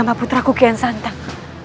nama putraku kian santang